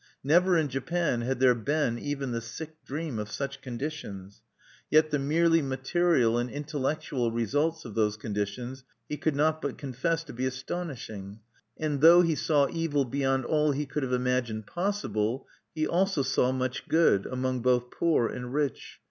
Never in Japan had there been even the sick dream of such conditions. Yet the merely material and intellectual results of those conditions he could not but confess to be astonishing; and though he saw evil beyond all he could have imagined possible, he also saw much good, among both poor and rich.